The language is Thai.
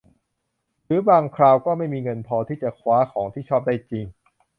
หรือบางคราวก็ไม่มีเงินพอที่จะคว้าของที่ชอบได้จริง